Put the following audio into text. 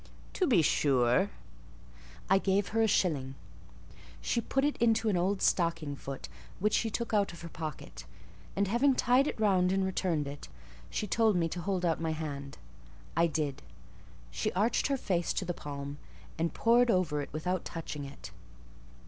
"To be sure." I gave her a shilling: she put it into an old stocking foot which she took out of her pocket, and having tied it round and returned it, she told me to hold out my hand. I did. She approached her face to the palm, and pored over it without touching it.